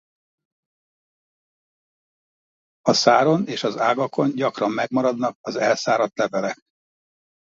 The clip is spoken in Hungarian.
A száron és az ágakon gyakran megmaradnak az elszáradt levelek.